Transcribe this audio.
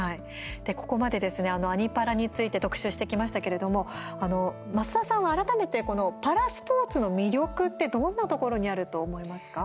ここまで「アニ×パラ」について特集してきましたけれども増田さんは改めてこのパラスポーツの魅力ってどんなところにあると思いますか。